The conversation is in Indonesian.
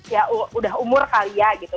ya udah umur kali ya gitu